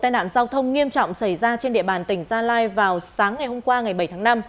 tai nạn giao thông nghiêm trọng xảy ra trên địa bàn tỉnh gia lai vào sáng ngày hôm qua ngày bảy tháng năm